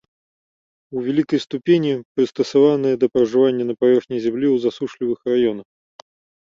У вялікай ступені прыстасаваныя да пражывання на паверхні зямлі ў засушлівых раёнах.